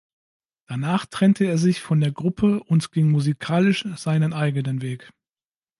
Danach trennte er sich von der Gruppe und ging musikalisch seinen eigenen Weg.